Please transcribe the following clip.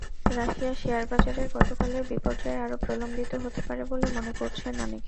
রাশিয়ার শেয়ারবাজারের গতকালের বিপর্যয় আরও প্রলম্বিত হতে পারে বলে মনে করছেন অনেকে।